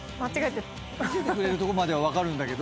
見せてくれるとこまでは分かるんだけど。